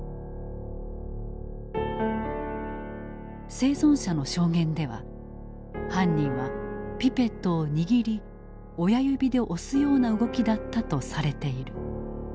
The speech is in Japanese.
生存者の証言では犯人はピペットを握り親指で押すような動きだったとされている。